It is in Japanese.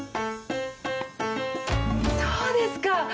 そうですか！